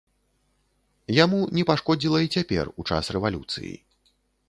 Яму не пашкодзіла і цяпер, у час рэвалюцыі.